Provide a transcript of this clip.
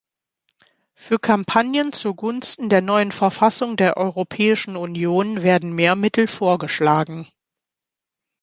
Für Kampagnen zugunsten der neuen Verfassung der Europäischen Union werden mehr Mittel vorgeschlagen.